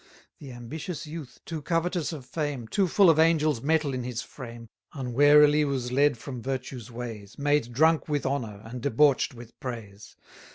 The ambitious youth, too covetous of fame, Too full of angels' metal in his frame, 310 Unwarily was led from virtue's ways, Made drunk with honour, and debauch'd with praise.